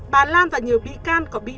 bà lan và nhiều bị can có bị